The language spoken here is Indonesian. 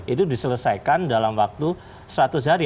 itu diselesaikan dalam waktu seratus hari